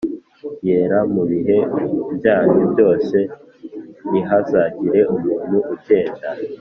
yera mu bihe byanyu byose Ntihazagire umuntu ugenda